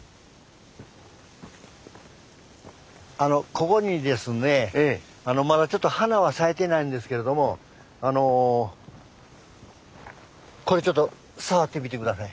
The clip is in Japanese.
ここにですねまだちょっと花は咲いてないんですけれどもこれちょっと触ってみて下さい。